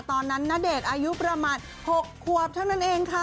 ตอนนั้นนาเดชอายุประมาณ๙ควบเท่านั่นเองค่ะ